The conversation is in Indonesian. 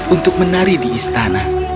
untuk menari di istana